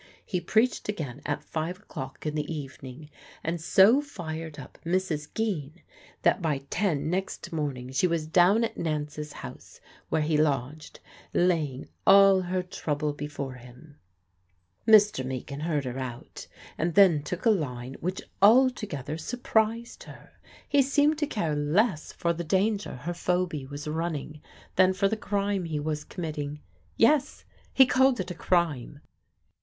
He preached again at five o'clock in the evening, and so fired up Mrs. Geen that by ten next morning she was down at Nance's house, where he lodged, laying all her trouble before him. Mr. Meakin heard her out, and then took a line which altogether surprised her. He seemed to care less for the danger her Phoby was running than for the crime he was committing. Yes; he called it a crime!